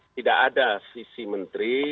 tidak ada visi menteri